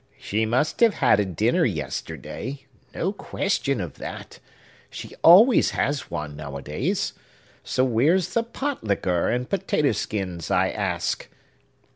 "She must have had a dinner yesterday,—no question of that! She always has one, nowadays. So where's the pot liquor and potato skins, I ask?